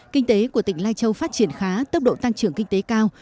kinh tế của tỉnh lai châu phát triển khá tốc độ tăng trưởng kinh tế cao